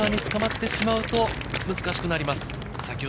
右のバンカーにつかまってしまうと、難しくなります。